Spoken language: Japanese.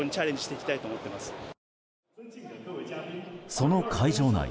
その会場内